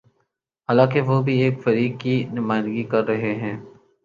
حالانکہ وہ بھی ایک فریق کی نمائندگی کر رہے ہیں۔